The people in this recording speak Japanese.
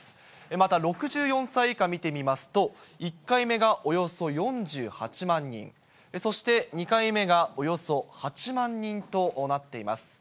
また６４歳以下見てみますと、１回目がおよそ４８万人、そして２回目がおよそ８万人となっています。